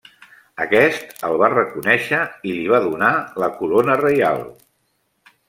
Aquest el va reconèixer i li va donar la corona reial.